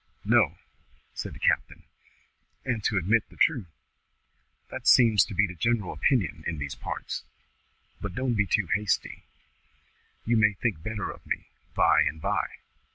"No," said the captain, "and, to admit the truth, that seems to be the general opinion in these parts. But don't be hasty; you may think better of me by and by."